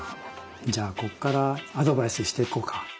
じゃあこっからアドバイスしていこうか。